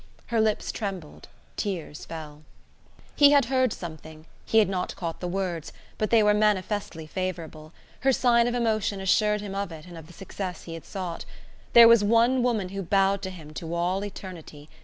Her lips trembled, tears fell. He had heard something; he had not caught the words, but they were manifestly favourable; her sign of emotion assured him of it and of the success he had sought. There was one woman who bowed to him to all eternity!